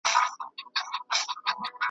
چي پخپله څوک په ستونزه کي اخته وي ,